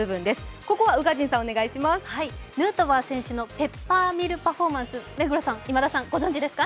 ヌートバー選手のペッパーミルパフォーマンス、目黒さん、今田さん、ご存じですか？